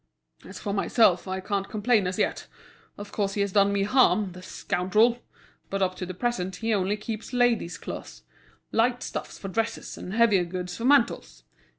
"As for myself, I can't complain as yet. Of course he has done me harm, the scoundrel! But up to the present he only keeps ladies' cloths, light stuffs for dresses and heavier goods for mantles.